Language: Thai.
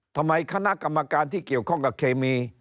คณะกรรมการที่เกี่ยวข้องกับเคมี